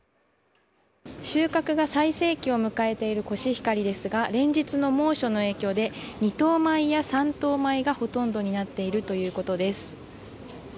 収穫が最盛期を迎えているコシヒカリですが連日の猛暑の影響で２等米や３等米がほとんどになっているということです。